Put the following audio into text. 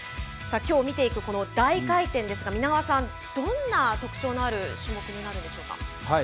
さあ、きょう見ていく大回転ですが皆川さん、どんな特徴のある種目になるんでしょうか。